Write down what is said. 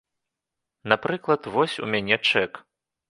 Напрыклад, вось у мяне чэк.